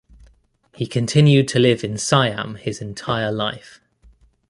He continued to live in Siam his entire life.